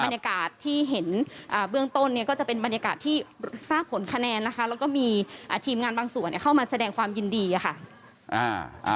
บรรยากาศที่เห็นเบื้องต้นเนี่ยก็จะเป็นบรรยากาศที่ทราบผลคะแนนนะคะแล้วก็มีทีมงานบางส่วนเข้ามาแสดงความยินดีค่ะ